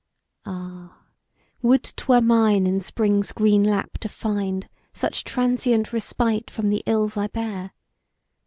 Ah! would 'twere mine in Spring's green lap to find Such transient respite from the ills I bear!